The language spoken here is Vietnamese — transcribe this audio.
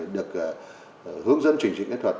được hướng dẫn trình trình kỹ thuật